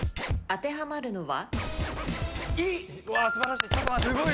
当てはまるのは？